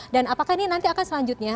dan apakah ini nanti akan selanjutnya